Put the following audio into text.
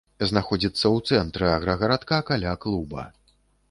Знаходзіцца у цэнтры аграгарадка, каля клуба.